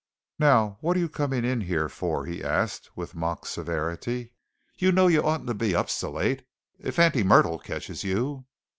"Now what are you coming in here for?" he asked, with mock severity. "You know you oughn't to be up so late. If Auntie Myrtle catches you!"